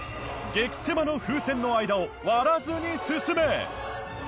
激セマの風船の間を割らずに進め！